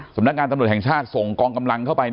สำนักงานตำรวจแห่งชาติส่งกองกำลังเข้าไป